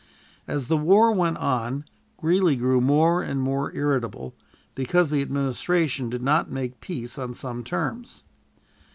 As the war went on, Greeley grew more and more irritable, because the administration did not make peace on some terms.